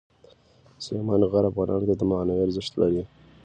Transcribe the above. سلیمان غر افغانانو ته معنوي ارزښت لري.